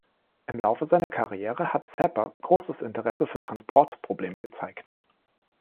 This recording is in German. Im Laufe seiner Karriere hat Sapper großes Interesse für Transportprobleme gezeigt.